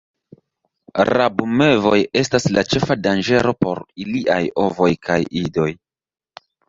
Rabmevoj estas la ĉefa danĝero por iliaj ovoj kaj idoj.